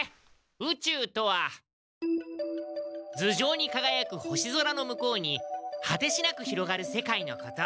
宇宙とは頭上にかがやく星空の向こうに果てしなく広がる世界のこと。